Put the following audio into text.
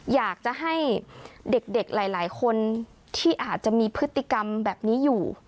อยากจะให้เด็กหลายคนที่อาจจะมีพฤติกรรมแบบนี้อยู่